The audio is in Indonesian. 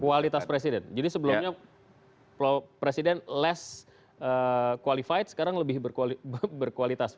kualitas presiden jadi sebelumnya presiden less qualified sekarang lebih berkualitas